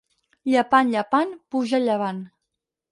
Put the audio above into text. Llepant, llepant, puja el llevant.